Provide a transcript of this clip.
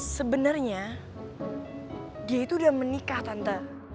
sebenarnya dia itu udah menikah tante